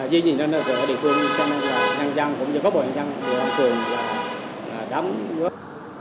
duy nhìn ra nơi ở địa phương cho nên là nhân dân cũng như các bộ nhân dân trong phường là đắm